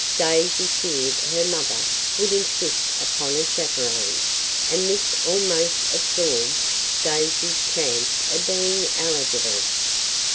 Daisy feared her mother would insist upon a chaperone, and this almost absorbed Daisy's chance of being eligible.